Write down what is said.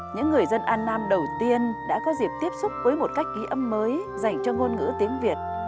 những người dân an nam đầu tiên đã có dịp tiếp xúc với một cách ghi âm mới dành cho ngôn ngữ tiếng việt